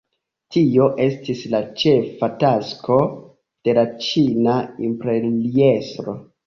Tio estis la ĉefa tasko de la ĉina imperiestro.